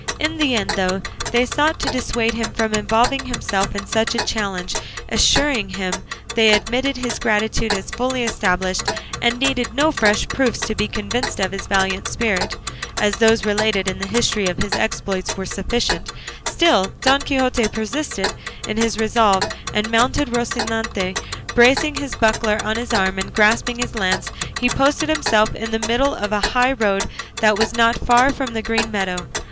In the end, though they sought to dissuade him from involving himself in such a challenge, assuring him they admitted his gratitude as fully established, and needed no fresh proofs to be convinced of his valiant spirit, as those related in the history of his exploits were sufficient, still Don Quixote persisted in his resolve; and mounted on Rocinante, bracing his buckler on his arm and grasping his lance, he posted himself in the middle of a high road that was not far from the green meadow.